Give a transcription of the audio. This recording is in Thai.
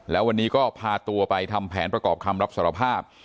แล้ววันนี้ก็พาตัวไปทำแผนประกอบคำรับสารภาพ